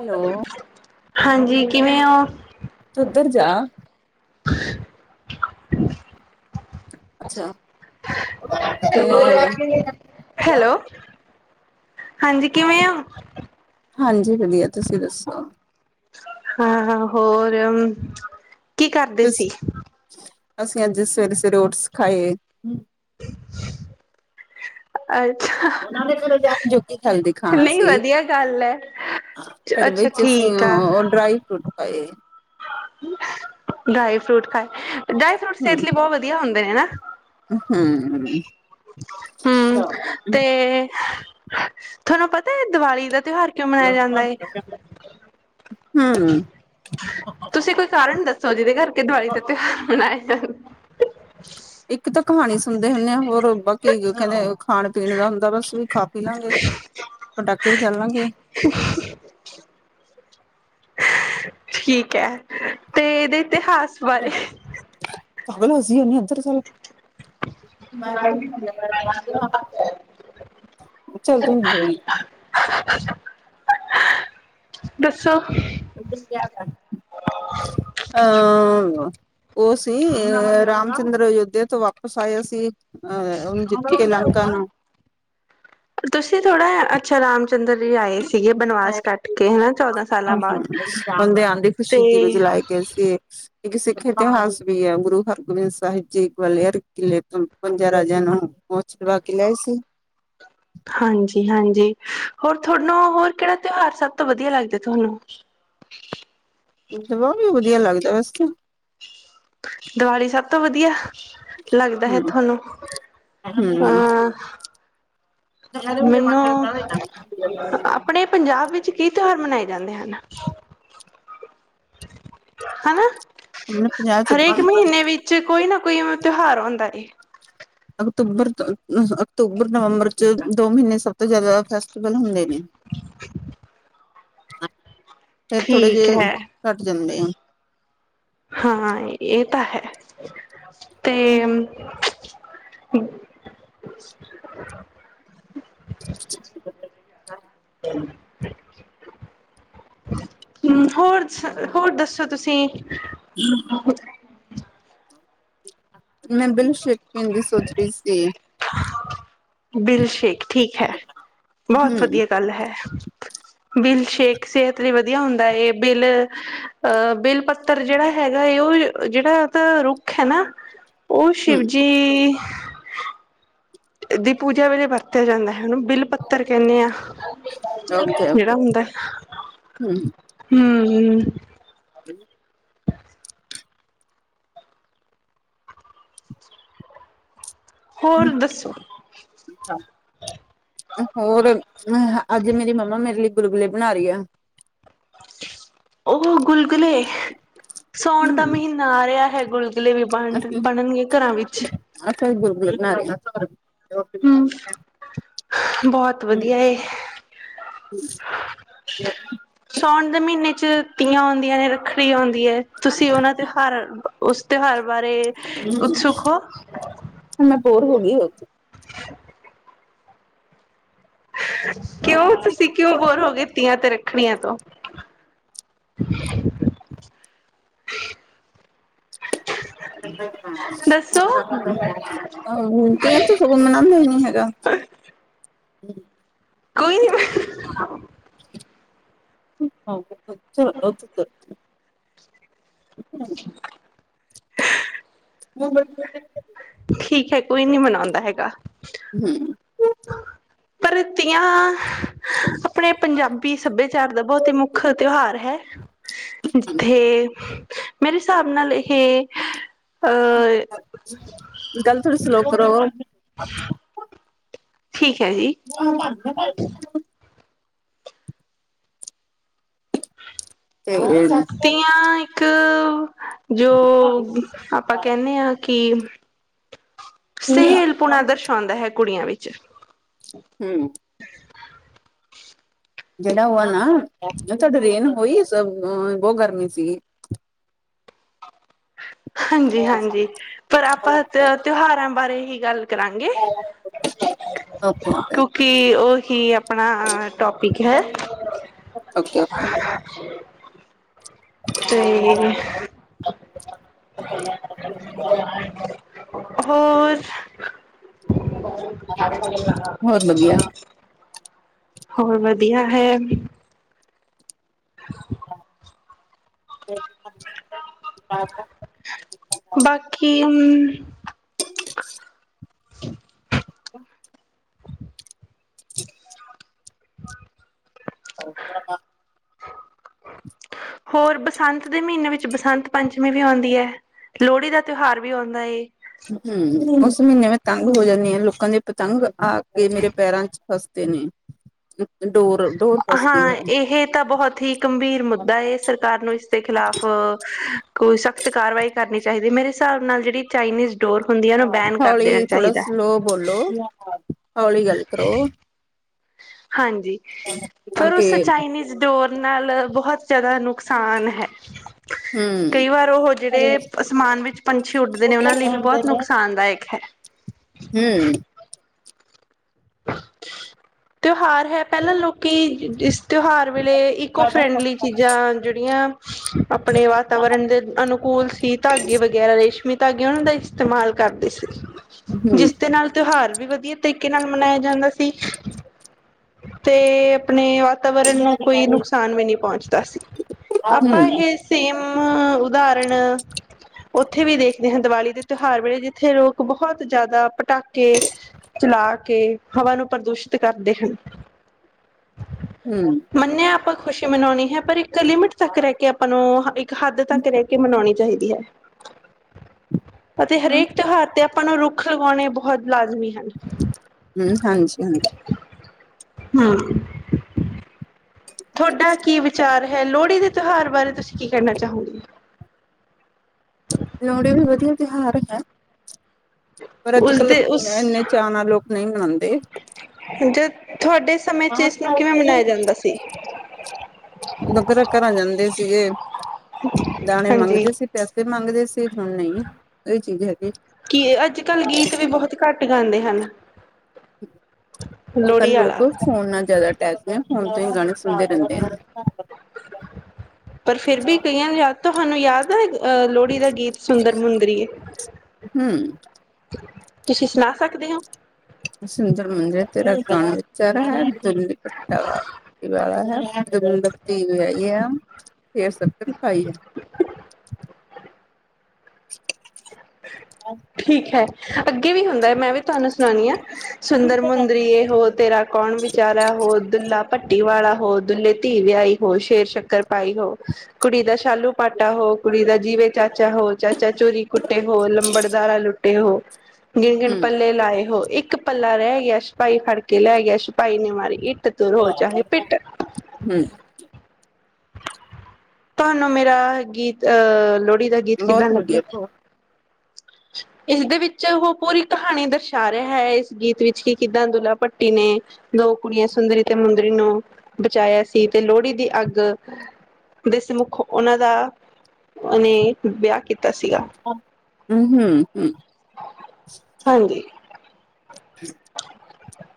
Hello ਹਾਂਜੀ ਕਿਵੇਂ ਹੋ ਤੂੰ ਉੱਧਰ ਜਾ [unintelligible] ਅੱਛਾ ਹੈਲੋ ਹੈਲੋ। ਹਾਂਜੀ ਕਿਵੇਂ ਹੋ ਹਾਂਜੀ [unintelligible] ਜੀ ਵਧੀਆ ਤੁਸੀਂ ਦੱਸੋ ਹਾਂ [unintelligible] ਕੀ ਕਰਦੇ ਸੀ ਅਸੀਂ ਅੱਜ ਸਵੇਰੇ ਸਵੇਰੇ ਉੱਟਸ ਖਾਏ ਅੱਛਾ ਉਹਨਾਂ ਨੇ ਕਦੇ ਟਾਈਮ ਜੋਗੀ ਗੱਲ ਦਿਖਾਣਾ ਨਹੀਂ ਸੀ ਉਹਨਾਂ ਨੇ ਕੱਲ ਵਧੀਆ ਗੱਲ ਹੈ। ਦਿਖਾਉਣਾ ਸੀ ਘਰ ਅੱਛਾ ਵਿੱਚ ਅਸੀਂ ਠੀਕ ਆ ਡਰਾਈ ਫਰੂਟ [unintelligible] ਆਏ ਡਰਾਈ ਫਰੂਟ ਖਾਏ ਡਰਾਈ ਫਰੂਟ ਸਿਹਤ ਕੇ ਲਈ ਬਹੁਤ ਵਧੀਆ ਹੁੰਦੇ ਭਿਆ ਹੂੰ ਹੂੰ ਤੇ ਤੁਹਾਨੂੰ ਪਤਾ ਦਿਵਾਲੀ ਦਾ [unintelligible] ਤਿੳਉਹਾਰ ਕਿਉ ਮਨਾਇਆ ਜਾਂਦਾ ਹੈ ਤੁਸੀਂ ਕੋਈ ਕਾਰਨ ਦੱਸੋ ਜਿਹਦੇ ਕਰਕੇ ਦਵਾਈ ਤੇ ਤੇ ਬੁਲਾਏ। [inaudible] ਇੱਕ ਤਾਂ ਕਹਾਣੀ ਸੁਣਦੇ ਹੁੰਦੇ ਆ, ਹੋਰ ਬਾਕੀ ਕਨੇ ਖਾਣ ਪੀਣ ਦਾ ਹੁੰਦਾ ਬਸ-ਵੀ-ਖਾ ਇਹਨਾਂ ਦੇ ਪਟਾਕੇ ਵੀ ਚੱਲਾਂਗੇ। ਠੀਕ ਹ ਤੇ ਇਹਦੇ ਇਤਿਹਾਸ ਬਾਰੇ [unintelligible] ਨ ਅੰਤਰ ਚਲ [unintelligible] [unintelligible] [unintelligible] ਉਹ ਸੀ ਅ-ਅ ਰਾਮ ਚੰਦਰ ਅਯੋਧਿਆ ਤੋਂ ਵਾਪਿਸ ਆਇਆ ਸੀ। ਹਹ-ਉਹਣ ਜਿੱਤ ਕਿ ਲੱਕਾ ਤੁਸੀਂ ਤੋੜਾ ਹੈ, ਅੱਛਾ ਰਾਮ ਚੰਦਰ ਜੀ ਆਏ। ਸੀਗੇ ਬਨਵਾਸ ਕੱਟ ਕੇ ਹਨਾ ਚੌਦਾਂ ਸਾਲਾਂ ਬਾਅਦ ਬੰਦੇ ਆਣ ਦੀ ਤੇ ਖੁਸ਼ੀ ਨੂੰ ਜਲਾਏ ਗਏ ਸੀ। ਇੱਕ ਸਿੱਖ ਇਤਿਹਾਸ ਗੁਰੂ ਹਰਗੋਬਿੰਦ ਸਾਹਿਬ ਜੀ ਗਵਾਲਿਅਰ ਕਿਲੇ ਤੋ ਪੰਜਾ ਰਾਜੇਆ ਨੂੰ [unintelligible] ਕੇ ਲਿਆਏ ਸੀ। ਹਾਂਜੀ-ਹਾਂਜੀ ਹੋਰ ਤੁਹਾਨੂੰ ਹੋਰ ਕਿਹੜਾ ਤਿਉਹਾਰ ਸਭ ਤੋਂ ਵਧੀਆ ਲੱਗਦਾ ਹੈ? ਤੁਹਾਨੂੰ ਦਵਾ ਵੀ ਵਧੀਆ ਲੱਗਦੀ [unintelligible] ਦੀਵਾਲੀ ਸਭ ਤੋਂ ਵਧੀਆ ਲੱਗਦਾ ਹੈ ਹੂੰ। ਤੁਹਾਨੂੰ। ਹਾਂ ਮੈਨੂੰ ਆਪਣੇ ਪੰਜਾਬ ਵਿੱਚ ਕੀ ਤਿਉਹਾਰ ਮਨਾਏ ਜਾਂਦੇ ਹਨ? ਹਨਾ। ਆਪਣੇ ਪੰਜਾਬ ਹਰੇਕ ਚ ਮਹੀਨੇ ਵਿੱਚ ਕੋਈ ਨਾ ਕੋਈ ਏਵੇ ਤਿਉਹਾਰ ਹੁੰਦਾ ਏ। ਅਕਤੂਬਰ-ਅਕਤੂਬਰ ਨਵੰਬਰ ਚ ਦੋ ਮਹੀਨੇ ਸਭ ਤੋਂ ਜ਼ਿਆਦਾ ਫੈਸਟੀਵਲ ਹੁੰਦੇ ਨੇ। ਹ [unintelligible] ਫੇਰ ਥੋੜੇ ਠੀਕ ਜਿਹੇ, ਹੈ ਘੱਟ ਜਾਂਦੇ ਆ। ਹਾਂ ਇਹ ਤਾਂ ਹੈ, ਤੇ ਠੀਕ [unintelligible] ਹਮ ਹੋਰ-ਜ-ਹੋਰ ਦੱਸੋ ਤੁਸੀਂ। ਹਮ ਮੈਂ ਬਿਲ ਸ਼ੇਕ ਮਨ ਦੀ ਸੋਚ ਰਹੀ ਸੀ। ਬਿਲ ਸ਼ੇਖ ਠੀਕ ਹੈ ਬਹੁਤ ਹਮ ਵਧੀਆ ਗੱਲ ਹੈ। ਬਿਲ ਸ਼ੇਕ ਸਿਹਤ ਲਈ ਵਧੀਆ ਹੁੰਦਾ ਹੈ, ਬਿਲ ਅਹ ਬਿੱਲ ਪੱਤਰ ਜਿਹੜਾ ਹੈਗਾ ਉਹ ਜਿਹੜਾ ਉਹਦਾ ਰੁੱਖ ਹੈ ਨਾ ਉਹ ਹਮ ਸ਼ਿਵਜੀ ਦੀ ਪੂਜਾ ਵੇਲੇ ਵਰਤਿਆ ਜਾਂਦਾ ਹੈ ਐਨੂੰ ਬਿੱਲ ਪੱਤਰ ਕਹਿੰਦੇ ਹ ਓਕੇ ਜਿਹੜਾ ਓਕੇ ਹੁੰਦਾ ਹੈ, ਹੂ ਹੂ ਹ [inaudible] ਹੋਰ ਦੱਸੋ ਹੋਰ ਅੱਜ ਮੇਰੀ ਮੰਮਾ ਮੇਰੇ ਲਈ ਗੁਲ ਗੁੱਲੇ ਬਣਾ ਰਹੀ ਆ ਉਹ ਗੁਲ ਗੁਲਗਲੇ ਸਾੌਉਣ ਦਾ ਹਮ ਮਹੀਨਾ ਆ ਰਿਹਾ ਹੈ ਗੁਲਗੁਲੇ ਵੀ ਬਣ ਬਣਨਗੇ ਘਰਾਂ ਵਿੱਚ ਚ ਬੁਰਦੀ ਨਾ [unintelligible] ਹੂ ਬਹੁਤ ਵਧੀਆ ਏ ਤੇ [inaudible] ਸਾਉਣ ਦੇ ਮਹੀਨੇ ਚ ਧੀਆਂ ਔਦੀਆਂ ਨੇ, ਰੱਖੜੀ ਆੁੰਂਦੀ ਥੀਏ ਤੁਸੀਂ ਉਹਨਾਂ ਤੇ ਹਰ- ਉਸ ਤਿਉਹਾਰ ਬਾਰੇ ਉਤਸੁਕ ਹੋ ਹ ਮੈਂ ਬੋਰ ਹੋ ਗਈ ਹੋ ਕਿਉਂ ਤੁਸੀਂ ਕਿਉਂ ਬੋਰ ਹੋ ਗਏ ਧੀਆਂ ਤੇਰੇ ੱਖਣੀਆਂ ਤੋਂ [unintelligible] ਤਥ ਸਗਨ ਦੱਸੋ ਮਨਾਮ ਲ ਹੈਗਾ [unintelligible] ਹਮ [inaudible] ਕੋਈ ਨੀ ਫ [unintelligible] ਹਾਂ [unintelligible] [inaudible] ਹੂੰ ਠੀਕ ਹੈ। ਕੋਈ ਨਹੀਂ ਮਨਾਉਂਦਾ ਹੈਗਾ। ਹੂ - ਪਰਤੀਆਂ ਆਪਣੇ ਪੰਜਾਬੀ ਸੱਭਿਆਚਾਰ ਦਾ ਬਹੁਤ ਹੀ ਮੁੱਖ ਤਿਉਹਾਰ ਹੈ। ਜਿੱਥੇ- ਮੇਰੇ ਹਿਸਾਬ ਨਾਲ ਇਹ- ਅਹ ਗੱਲ ਥੋੜੀ ਸਲੋ ਕਰੋ- ਠੀਕ ਹੈ ਜੀ ਹ ਲੱਦਾ [unintelligible] ਤੇ ਹੂੰ ਤਿਆਂ ਇੱਕ- ਜੋ ਆਪਾਂ ਕਹਿਣੇ ਹਾਂ ਕਿ ਸਹੇਲਪੁਣਾ ਦਰਸਾਉਂਦਾ ਹੈ ਕੁੜੀਆਂ ਵਿੱਚ- ਚ [inaudible] ਹੂੰ ਜਿਹੜਾ ਉਹ ਆ ਨਾ ਤੁਹਾਡੇ ਰੇਨ ਹੋਈ ਸੀ ਬਹੁਤ ਗਰਮੀ ਸੀਗੀ। ਹਾਂਜੀ ਹਾਂਜੀ ਪਰ ਆਪਾਂ ਤਿਉਹਾਰਾਂ- ਪਰ ਇਹ ਗੱਲ- ਕਰਾਂਗੇ ਓਕੇ ਓਕੇ ਕਿਉਂਕਿ ਉਸ- ਠੀ ਆ ਆਪਣਾ ਟੋਪਿਕ ਹੈ- [inaudible] ਓਕੇ ਓਕੇ ਤੇ- ਹੋਰ- ਬਹੁਤ ਵਧੀਆ [unintelligible] ਹੋਰ ਵਧੀਆ ਹੈ- [inaudible] ਬਾਕੀ- ਹੂੰ- [inaudible] [inaudible] [unintelligible] [inaudible] ਹ ਤਾਂ [unintelligible] ਹੋਰ ਬਸੰਤ ਦੇ ਮਹੀਨੇ ਵਿੱਚ ਬਸੰਤ ਪੰਚਮੀ ਵੀ ਆਉਂਦੀ ਹੈ। ਲੋਹੜੀ ਦਾ ਤਿਉਹਾਰ ਵੀ ਆਉਂਦਾ ਏ। ਹੂੰ ਉਸ ਮਹੀਨੇ ਮੈਂ ਤਾਂ ਹੋ ਜਾਂਦੇਆ, ਲੋਕਾਂ ਦੇ ਪਤੰਗ ਆਕੇ ਮੇਰੇ ਪੈਰਾਂ ਚ ਫਸਦੇ ਨੇ ਡੋਰ ਡੋਰ ਫਸਦੀ ਹਾਂ ਹੈ ਇਹ ਤਾਂ ਬਹੁਤ ਹੀ ਗੰਭੀਰ ਮੁੱਦਾ ਹੈ। ਸਰਕਾਰ ਨੂੰ ਇਸਦੇ ਖਿਲਾਫ਼ ਕੋਈ ਸਖਤ ਕਾਰਵਾਈ ਕਰਨੀ ਚਾਹੀਦੀ ਮੇਰੇ ਹਿਸਾਬ ਨਾਲ ਜਿਹੜੀ ਚਾਈਨੀਜ਼ ਡੋਰ ਹੁੰਦੀ ਹੈ ਉਹਨੂੰ ਬੈਨ ਕਰ ਦੇਣਾ ਹੌਲੀ ਥੋੜਾ ਚਾਹੀਦਾ ਹੈ ਸਲੋ ਬੋਲੋ, ਹੌਲੀ ਗੱਲ ਕਰੋ। ਹਾਂ ਜੀ ਤਾਂ ਪਰ ਕਿ ਉਸ ਚਾਈਨੀਜ਼ ਡੋਰ ਨਾਲ ਬਹੁਤ ਜ਼ਿਆਦਾ ਨੁਕਸਾਨ ਹੈ। ਹੂੰ ਕਈ ਵਾਰ ਉਹ ਹਮ ਜਿਹੜੇ ਅਸਮਾਨ ਵਿੱਚ ਪੰਛੀ ਉੱਡਦੇ ਨੇ ਉਹਨਾਂ ਲਈ ਵੀ ਬਹੁਤ ਨੁਕਸਾਨਦਾਇਕ ਹੈ। ਹੂੰ ਤਿਉਹਾਰ ਹੈ ਪਹਿਲਾਂ ਲੋਕੀ ਤਿਉਹਾਰ ਵੇਲੇ ਇਕੋ ਫਰੈਂਡਲੀ ਚੀਜ਼ਾਂ ਜਿਹੜੀਆਂ, ਆਪਣੇ ਵਾਤਾਵਰਨ ਦੇ ਅਨੁਕੂਲ ਸੀ। ਧਾਗੇ ਵਗੈਰਾ ਰੇਸ਼ਮੀ ਧਾਗੇ ਉਹਨਾਂ ਦਾ ਇਸਤੇਮਾਲ ਕਰਦੇ ਸੀ। ਜਿਸਦੇ ਨਾਲ ਤਿਉਹਾਰ ਵੀ ਵਧੀਆ ਤਰੀਕੇ ਨਾਲ ਮਨਾਇਆ ਜਾਂਦਾ ਸੀ। ਤੇ ਆਪਣੇ ਵਾਤਾਵਰਨ ਨੂੰ ਕੋਈ ਨੁਕਸਾਨ ਵੀ ਨਹੀਂ ਪਹੁੰਚਦਾ ਸੀ। ਆਪਾਂ ਇਹ ਸੇਮ ਉਦਾਹਰਣ- ਉੱਥੇ ਵੀ ਦੇਖਦੇ ਹਾਂ, ਦੀਵਾਲੀ ਦੇ ਤਿਉਹਾਰ ਵੇਲੇ ਜਿੱਥੇ ਲੋਕ ਬਹੁਤ ਜ਼ਿਆਦਾ ਪਟਾਕੇ, ਚਲਾ ਕੇ ਹਵਾ ਨੂੰ ਪ੍ਰਦੂਸ਼ ਕਰਦੇ ਹਨ। ਮੰਨਿਆ ਆਪਾਂ ਖੁਸ਼ੀ ਮਨਾਉਣੀ ਹੈ ਪਰ ਇੱਕ ਇੱਕ ਲਿਮਿਟ ਤੱਕ ਰਹਿ ਕੇ ਆਪਾਂ ਨੂੰ, ਇੱਕ ਹੱਦ ਤੱਕ ਰਹਿ ਕੇ ਮਨਾਉਣੀ ਚਾਹੀਦੀ ਹੈ। ਅਤੇ ਹਰੇਕ ਤਿਉਹਾਰ ਤੇ ਆਪਾਂ ਨੂੰ ਰੁੱਖ ਲਗਾਉਣੇ ਬਹੁਤ ਲਾਜ਼ਮੀ ਹਨ [inaudible] ਹਮ। ਤੁਹਾਡਾ ਕੀ ਵਿਚਾਰ ਹੈ। ਲੋਹੜੀ ਦੇ ਤਿਉਹਾਰ ਬਾਰੇ ਤੁਸੀਂ ਕੀ ਕਹਿਨਾ ਚਾਹੋਗੇ। ਲੋਹੜੀ ਵੀ ਵਧੀਆ ਤਿਉਹਾਰ ਹੈ। ਪਰ ਉਸਦੇ ਅੱਜ-ਕੱਲ੍ਹ ਉਸ ਇੰਨੇ ਚਾਅ ਨਾਲ ਲੋਕ ਨਹੀਂ ਮਨਾਉਂਦੇ ਜ ਤੁਹਾਡੇ ਸਮੇਂ ਚ ਇਸਨੂੰ ਕਿਵੇਂ ਮਨਾਇਆ ਜਾਂਦਾ ਸੀ [unintelligible] ਹਾਂਜੀ [unintelligible] ਕੀ ਅੱਜ-ਕੱਲ੍ਹ ਗੀਤ ਵੀ ਬਹੁਤ ਘੱਟ ਗਾਉਂਦੇ ਹਨ। [inaudible] ਅੱਜ ਲੋਹੜੀ ਕੱਲ੍ਹ ਲੋਕ ਵਾਲਾ ਫੋਨ ਨਾਲ ਜ਼ਿਆਦਾ ਟੈਸਦੇ ਆ ਹੁਣ ਤੁ ਹੀ ਗਾਣੇ ਸੁਣਦੇ ਰਹਿੰਦੇ ਆ ਪਰ ਫਿਰ ਵੀ ਕਈਆਂ ਜਾ ਤੁਹਾਨੂੰ ਯਾਦ ਹੈ ਅ ਲੋਹੜੀ ਦਾ ਗੀਤ ਸੁੰਦਰ ਮੁਦਰੀਏ [unintelligible] ਤੁਸੀਂ ਸੁਣਾ ਸਕਦੇ ਹੋ ਸੰਦਰ ਮੁੰਦਰਏ, ਤੇਰਾ ਕੌਣ ਵਿਚਾਰ ਹੈ ਦੋਲਾਪਾਠੀ ਵਾਲਾ ਹੈ। [unintelligible] ਫੇਰ ਸਭ ਤੱਕ ਖਾਈ ਹੈ [unintelligible] [inaudible] ਠੀਕ ਹੈ ਅ ਇਵੇ ਹੀ ਹੁੰਦਾ ਹੈ ਮੈਂ ਵੀ ਤੁਹਾਨੂੰ ਸੁਣਾਣੀ ਹਾਂ। ਸੁੰਦਰ ਮੁੰਦਰੀਏ ਹੋ ਤੇਰਾ ਕੌਣ ਵਿਚਾਰਾ ਹੋ ਦੁੱਲਾ ਭੱਟੀ ਵਾਲਾ ਹੋ ਦੁੱਲੇ ਧੀ ਵਿਆਹੀ ਹੋ ਸ਼ੇਰ ਸ਼ੱਕਰ ਪਾਈ ਹੋ ਕੁੜੀ ਦਾ ਸ਼ਾਲੂ ਪਾਟਾ ਹੋ ਕੁੜੀ ਦਾ ਜੀਵੇ ਚਾਚਾ ਹੋ ਚਾਚਾ ਚੋਰੀ ਕੁੱਟੇ ਹੋ ਲੰਬੜਦਾਰਾ ਲੁੱਟੇ ਹੋ ਗਿਣਗਿਣ ਪੱਲੇ ਲਾਏ ਹੋ ਇੱਕ ਪੱਲਾ ਰਹਿ ਗਿਆ ਛਪਾਈ ਫੜ ਕੇ ਲੈ ਗਿਆ ਛਪਾਈ ਨੇ ਮਾਰੀ ਇੱਕ ਤੇ ਤੂੰ ਰੋ ਚਾਹੇ ਪਿੱਟ ਹਮ ਤੁਹਾਨੂੰ ਮੇਰਾ ਗੀਤ ਆ ਲੋਹੜੀ ਦਾ ਗੀਤ ਕਿੱਦਾਂ ਬਹੁਤ ਵਧੀਆ ਲੱਗਿਆ। ਬਹੁਤ ਇਸਦੇ ਵਿੱਚ ਉਹ ਪੂਰੀ ਕਹਾਣੀ ਦਰਸਾ ਰਿਹਾ ਹੈ ਇਸ ਗੀਤ ਵਿੱਚ ਕਿ ਕਿੱਦਾਂ ਦੁੱਲਾ ਭੱਟੀ ਨੇ ਦੋ ਕੁੜੀਆਂ ਸੁੰਦਰੀ ਤੇ ਮੁੰਦਰੀ ਨੂੰ ਬਚਾਇਆ ਸੀ ਤੇ ਲੋਹੜੀ ਦੀ ਅੱਗ ਦੇ ਸਮੁੱਖ ਉਹਨਾਂ ਦਾ ਉਹ ਨੇ ਵਿਆਹ ਕੀਤਾ ਸੀਗਾ ਹੂੰ-ਹੂੰ ਹੂੰ ਹਾਂਜੀ [inaudible] [inaudible]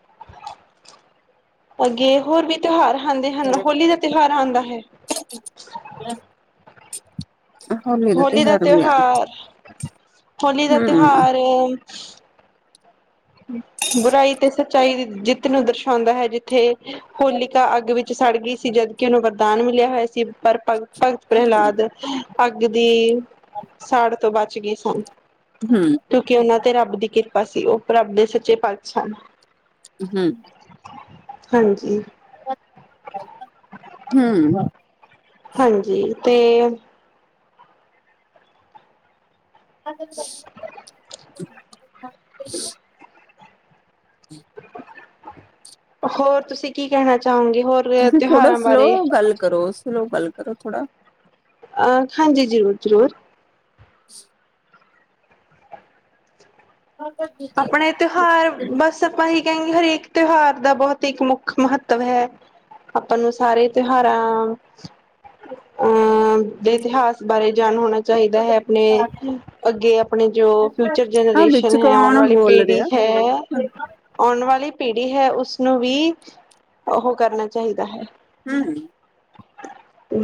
ਅੱਗੇ ਹੋਰ ਵੀ ਤਿਉਹਾਰ ਆਂਦੇ ਹਨ ਹੋਲੀ ਦਾ ਤਿਉਹਾਰ ਆਂਦਾ ਹੈ। ਹੋਲੀ ਦਾ ਤਿਉਹਾਰ ਹੋਲੀ ਦਾ ਹਮ ਤਿਉਹਾਰ ਬੁਰਾਈ ਤੇ ਸੱਚਾਈ ਦੀ ਜਿੱਤ ਨੂੰ ਦਰਸਾਉਂਦਾ ਹੈ ਜਿੱਥੇ ਹੋਲਿਕਾ ਅੱਗ ਵਿੱਚ ਸੜ ਗਈ ਸੀ, ਜਦਕਿ ਉਹਨੂੰ ਵਰਦਾਨ ਮਿਲਿਆ ਹੋਇਆ ਸੀ ਪਰ ਭਗ-ਭਗਤ ਹਮ ਪ੍ਰਹਲਾਦ ਅੱਗ ਦੀ ਸਾੜ ਤੋਂ ਬਚ ਗਏ ਸਨ। ਕਿਉਕਿ ਉਹਨਾਂ ਤੇ ਰੱਬ ਦੀ ਕਿਰਪਾ ਬਸ ਸੀ ਉਹ ਰੱਬ ਦੇ ਸੱਚੇ ਪਾਤਸ਼ਾਹ ਹੂੰ ਹਾਂਜੀ। ਹਮ ਹਾਂਜੀ। ਤੇਲ [inaudible] ਹੋਰ ਤੁਸੀਂ ਕੀ ਕਹਿਣਾ ਚਾਹੋਗੇ ਹੋਰ ਤੁਸੀਂ ਥੋੜਾ ਤਿਉਹਾਰਾਂ ਬਾਰੇ ਸਲੋਅ ਗੱਲ ਕਰੋ, ਸਲੋ ਗੱਲ ਕਰੋ ਥੋੜਾ। ਅ ਹਾਂਜੀ ਜੀ ਜ਼ਰੂਰ। [inaudible] ਆਪਣੇ ਤਿਉਹਾਰ ਬਸ ਆਪਾਂ ਹੀ ਕਹਿੰਦੇ ਹਰੇਕ ਤਿਉਹਾਰ ਦਾ ਬਹੁਤ ਇੱਕ ਮੁੱਖ ਮਹੱਤਵ ਹੈ, ਆਪਾਂ ਨੂੰ ਸਾਰੇ ਤਿਉਹਾਰਾਂ ਅਹ ਦੇ ਇਤਿਹਾਸ ਬਾਰੇ ਜਾਣ ਹੋਣਾ ਚਾਹੀਦਾ ਹੈ ਆਪਣੇ ਅੱਗੇ ਆਪ ਆਪਣੇ ਜੋ ਫਿਊਚਰ ਹਾਂ ਜਨਰੇਸ਼ਨ ਵਿੱਚ ਹੈ ਉਹ ਕੌਣ ਏ ਬੋਲ ਪੀੜੀ ਰਿਹਾ ਹੈ ਔਨੂੰ ਦੇ ਪਹਲੀ ਵਾਲੀ ਪੀੜੀ ਹੈ ਉਸਨੂੰ ਵੀ, ਉਹ ਕਰਨਾ ਚਾਹੀਦਾ ਹੈ। ਹਾਂਜੀ